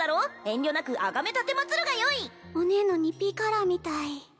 遠慮なくあがめ奉るがよいお姉の２Ｐカラーみたい